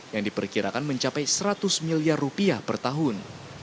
yang diperkirakan mencapai seratus miliar rupiah per tahun